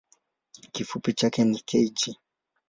Kifupi chake ni kg.